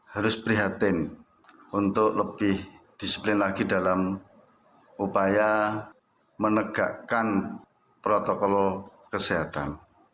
harus prihatin untuk lebih disiplin lagi dalam upaya menegakkan protokol kesehatan